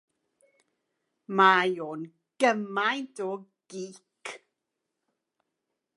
Mae o'n gymaint o gîc.